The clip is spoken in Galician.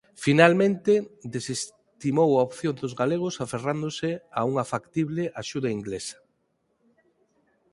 Finalmente desestimou a opción dos galegos aferrándose a unha factible axuda inglesa.